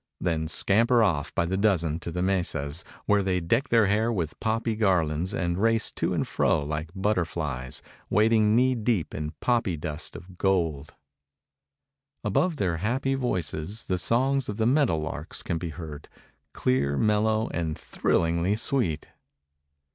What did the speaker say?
then scamper off by dozens to the mesas, where they deck their hair with poppy garlands and race to and fro like butterflies, wading knee deep in poppy dust of gold. Above their happy voices the songs of the meadow larks can be heard, clear, mellow and thrillingly sweet.